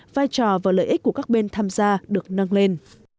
vai trò và lợi ích của các bên tham gia được nâng lên